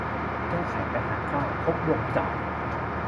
แก้ไขปัญหาข้าวครบวงจร